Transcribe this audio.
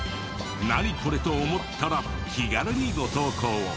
「ナニコレ？」と思ったら気軽にご投稿を。